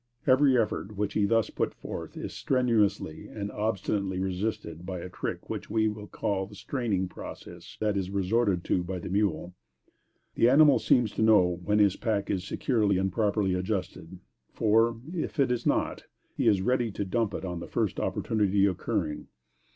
Every effort which he thus put forth, is strenuously and obstinately resisted by a trick which we will call a straining process that is resorted to by the mule. The animal seems to know when his pack is securely and properly adjusted; for, if it is not, he is ready to dump it on the first opportunity occurring.